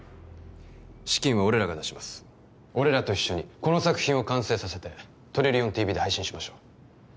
資金は俺らが出します俺らと一緒にこの作品を完成させてトリリオンＴＶで配信しましょう